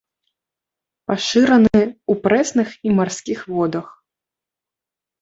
Пашыраны ў прэсных і марскіх водах.